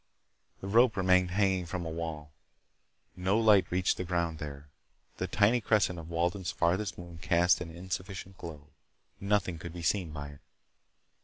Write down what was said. The rope remained hanging from the wall. No light reached the ground there. The tiny crescent of Walden's farthest moon cast an insufficient glow. Nothing could be seen by it.